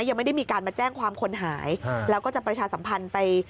ยังไม่ได้มีการมาแจ้งความคนหายแล้วก็จะประชาสัมพันธ์ไป